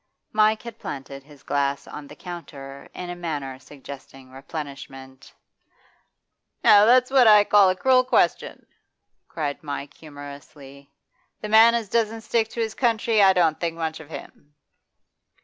Mike had planted his glass on the counter in a manner suggesting replenishment. 'Now that's what I call a cruel question!' cried Mike humorously. 'The man as doesn't stick to his country, I don't think much of him.